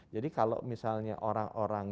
jadi kalau misalnya orang orang